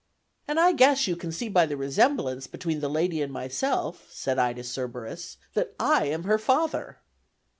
"And I guess you can see by the resemblance between the lady and myself," said I to Cerberus, "that I am her father."